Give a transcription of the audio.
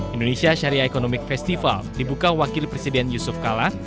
indonesia syariah economic festival dibuka wakil presiden yusuf kala